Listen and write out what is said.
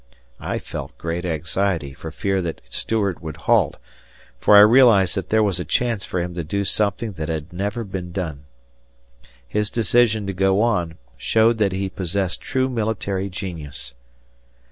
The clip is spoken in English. I felt great anxiety for fear that Stuart would halt, for I realized that there was a chance for him to do something that had never been done. His decision to go on showed that he possessed true military genius.